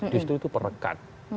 disitu itu perekat